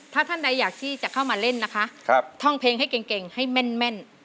ถ้าท่านใดอยากที่จะเข้ามาเล่นนะคะท่องเพลงให้เก่งให้แม่น